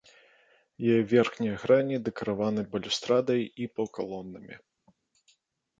Яе верхнія грані дэкарыраваны балюстрадай і паўкалонамі.